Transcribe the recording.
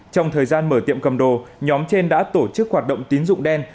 trong thời gian mở tiệm cầm đồ nhóm trên đã tổ chức hoạt động tín dụng đen